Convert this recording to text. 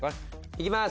行きます！